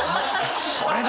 それだよ！